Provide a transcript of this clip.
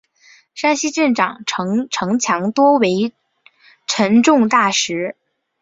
山西镇长城城墙多为沉重大石。